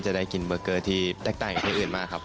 จะได้กินเบอร์เกอร์ที่แตกต่างกับที่อื่นมากครับ